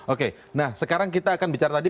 oke nah sekarang kita akan bicara tadi